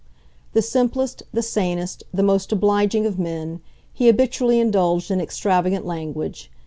The simplest, the sanest, the most obliging of men, he habitually indulged in extravagant language.